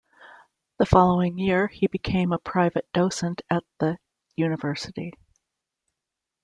The following year, he became a private docent at the university.